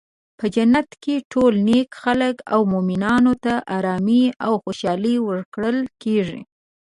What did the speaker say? په جنت کې ټول نیک خلک او مومنانو ته ارامي او خوشحالي ورکړل کیږي.